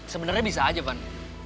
sebenernya bisa aja van